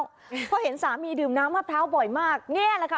เพราะเห็นสามีดื่มน้ำมะพร้าวบ่อยมากเนี่ยแหละค่ะ